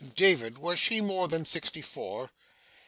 David, was she more than sixty four?